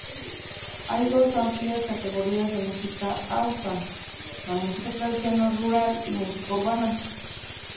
Hay dos amplias categorías de música hausa: la música tradicional rural y música urbana.